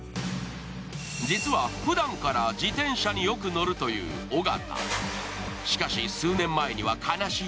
実はふだんから自転車によく乗るという尾形。